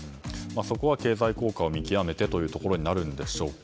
そこは、経済効果を見極めてとなるんでしょうか。